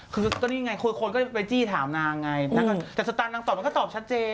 คือตัวนี้ไงคนก็ไปจี้ถามนางไงแต่สตาร์ทนางตอบมันก็ตอบชัดเจน